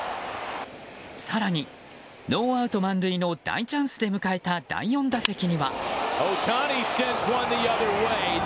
更に、ノーアウト満塁の大チャンスで迎えた第４打席には。